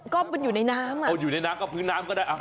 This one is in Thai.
ก็มันอยู่ในน้ำอ่ะอยู่ในน้ำก็พื้นน้ำก็ได้